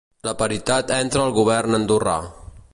La paritat entra al govern Andorrà